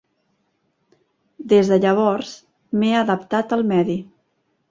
Des de llavors, m'he adaptat al medi.